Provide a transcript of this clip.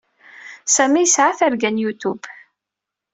Sami yesɛa targa n YouTube.